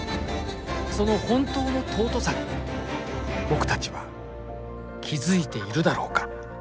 その本当の尊さに僕たちは気付いているだろうか